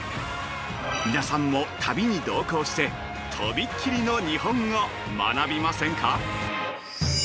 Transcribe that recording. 皆さんも旅に同行して飛び切りの日本を学びませんか。